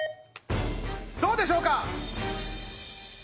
どうでしょうか？